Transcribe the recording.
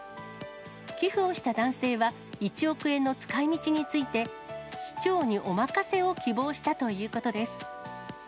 寄付をした男性は、１億円の使いみちについて、市長にお任せを希望したということです。